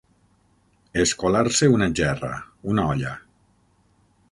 Escolar-se una gerra, una olla.